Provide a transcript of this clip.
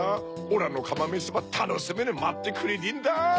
オラのかまめしばたのしみにまってくれてんだ！